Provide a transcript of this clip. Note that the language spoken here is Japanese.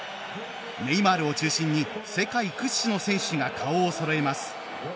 ネイマールを中心に世界屈指の選手が顔をそろえます。